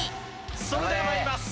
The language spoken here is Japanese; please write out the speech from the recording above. それでは参ります。